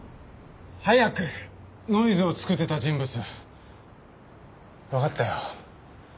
ノイズを作ってた人物わかったよ。